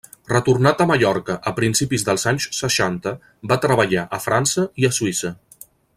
Retornat a Mallorca a principis dels anys seixanta, va treballar a França i a Suïssa.